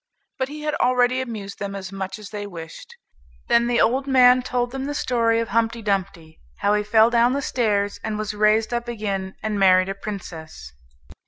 but he had already amused them as much as they wished. Then the old man told them the story of Humpty Dumpty, how he fell down stairs, and was raised up again, and married a princess.